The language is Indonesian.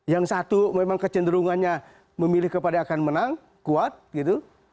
yang satu memang kecenderungannya memilih kepada akan menang kuat gitu